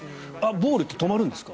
ボールって止まるんですか？